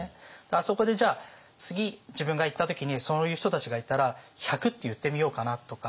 あそこでじゃあ次自分が行った時にそういう人たちがいたら１００って言ってみようかなとか。